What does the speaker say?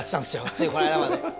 ついこの間まで。